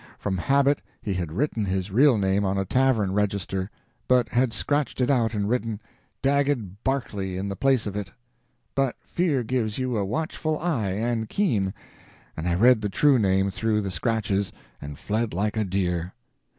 From habit he had written his real name on a tavern register, but had scratched it out and written "Dagget Barclay" in the place of it. But fear gives you a watchful eye and keen, and I read the true name through the scratches, and fled like a deer.